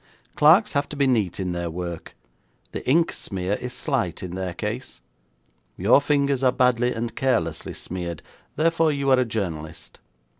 Clerks have to be neat in their work. The ink smear is slight in their case. Your fingers are badly and carelessly smeared; therefore, you are a journalist.